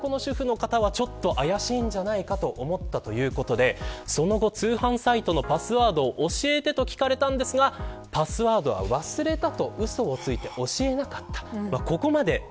そこでこの主婦の方は、ちょっと怪しいんじゃないかと思ったということでその後、通販サイトのパスワードを教えてと聞かれたんですがパスワードは忘れたとうそついて、教えなかった。